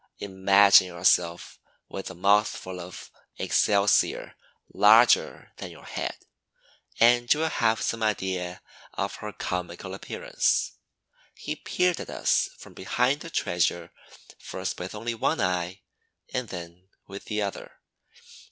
Imagine yourself with a mouthful of excelsior larger than your head, and you will have some idea of her comical appearance. She peered at us from behind her treasure first with one eye and then with the other.